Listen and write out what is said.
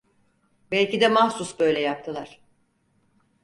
Belki de mahsus böyle yaptılar…